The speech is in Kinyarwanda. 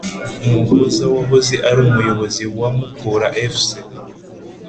umuhoza wahoze ari umuyobozi wa mukura fc